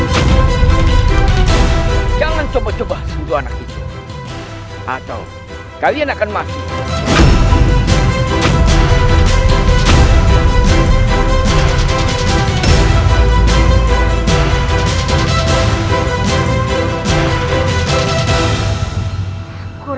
siapa kau berani ikut campur